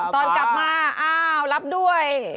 ตอนกลับมาอ้าวรับด้วย